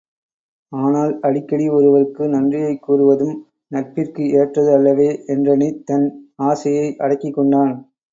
ஆனால், அடிக்கடி ஒருவருக்கு நன்றியைக் கூறுவதும் நட்பிற்கு ஏற்றது அல்லவே என்றெண்ணித் தன் ஆசையை அடக்கிக் கொண்டான்.